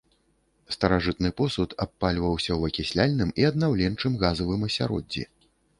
Старажытны посуд абпальваўся ў акісляльным і аднаўленчым газавым асяроддзі.